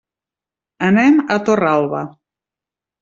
Anem a Torralba.